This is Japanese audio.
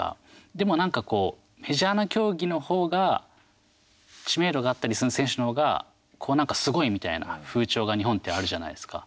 でも、なんかこうメジャーな競技のほうが知名度があったりその選手のほうがなんかすごいみたいな風潮が日本ってあるじゃないですか。